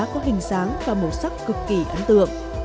có hình dáng và màu sắc cực kỳ ấn tượng